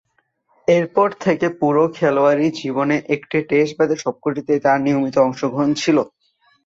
এরপর থেকে পুরো খেলোয়াড়ী জীবনে একটি টেস্ট বাদে সবকটিতেই তার নিয়মিত অংশগ্রহণ ছিল।